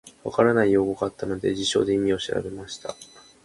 分からない用語があったので、辞書で意味を調べました。